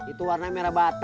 itu warna merah bata